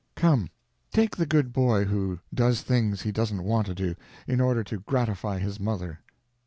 Come—take the good boy who does things he doesn't want to do, in order to gratify his mother.